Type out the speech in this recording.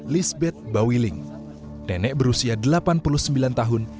lisbeth bawiling nenek berusia delapan puluh sembilan tahun